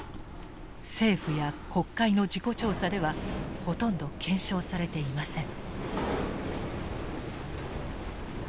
政府や国会の事故調査ではほとんど検証されていません。